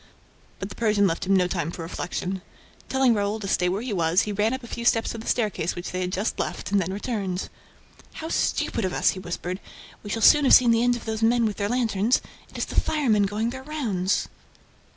But the Persian left him no time for reflection. Telling Raoul to stay where he was, he ran up a few steps of the staircase which they had just left and then returned. "How stupid of us!" he whispered. "We shall soon have seen the end of those men with their lanterns. It is the firemen going their rounds."